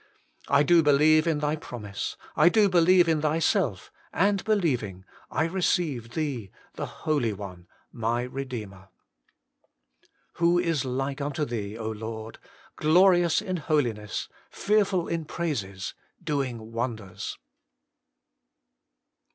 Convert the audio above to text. I do believe in Thy promise. I do believe in Thyself, and believing I receive Thee, the Holy One, my Eedeemer. Who is like unto Thee, Lord ! glorious in holiness, fearful in praises, doing wonders